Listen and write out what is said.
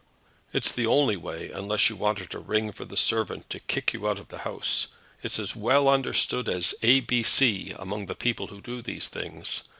"It's the only way, unless you want her to ring for the servant to kick you out of the house. It's as well understood as A B C, among the people who do these things.